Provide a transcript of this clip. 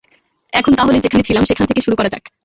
এখন তাহলে, যেখানে ছিলাম সেখার থেকে শুরু করা যাক?